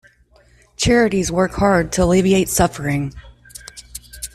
Charities work hard to alleviate suffering.